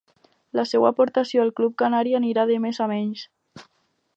La seua aportació al club canari aniria de més a menys.